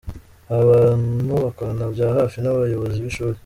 Aba bantu bakorana bya hafi n’ abayobozi b’ishuri.